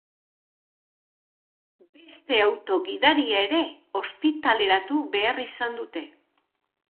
Beste autoko gidaria ere ospitaleratu behar izan dute.